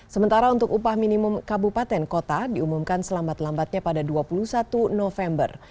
sementara untuk upah minimum kabupaten kota diumumkan selambat lambatnya pada dua puluh satu november